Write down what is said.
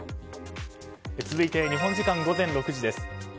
続いて、日本時間午前６時です。